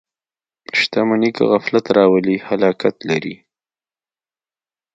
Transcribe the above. • شتمني که غفلت راولي، هلاکت لري.